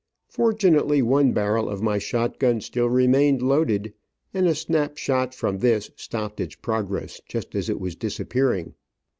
Fortunately one barrel of my shot gun still remained loaded, and a snap shot from this stopped its progress just as it was disappearing.